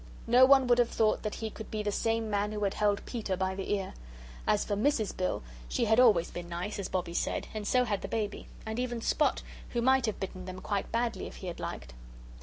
No one would have thought that he could be the same man who had held Peter by the ear. As for Mrs. Bill, she had always been nice, as Bobbie said, and so had the baby, and even Spot, who might have bitten them quite badly if he had liked.